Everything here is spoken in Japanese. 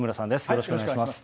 よろしくお願いします。